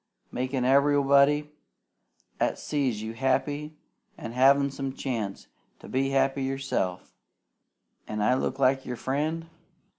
Makin' everybody, at sees you happy, an' havin' some chance to be happy yourself. An' I look like your friend?